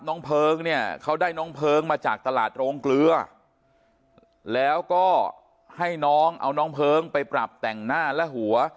เพลิงเนี่ยเขาได้น้องเพลิงมาจากตลาดโรงเกลือแล้วก็ให้น้องเอาน้องเพลิงไปปรับแต่งหน้าและหัว